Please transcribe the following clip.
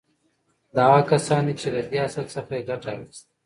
دا هغه کسان دي چې له دې اصل څخه يې ګټه اخيستې.